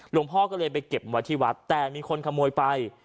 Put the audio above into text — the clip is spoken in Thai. พ่อก็เลยไปเก็บไว้ที่วัดแต่มีคนขโมยไป